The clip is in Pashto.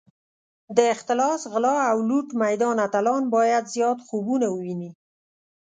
د اختلاس، غلا او لوټ میدان اتلان باید زیات خوبونه وویني.